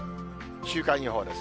週間予報です。